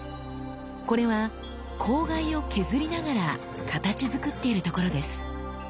これは笄を削りながら形づくっているところです。